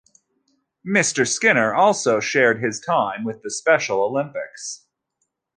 Mr. Skinner also shared his time with the Special Olympics.